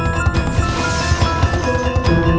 aku akan menjaga mereka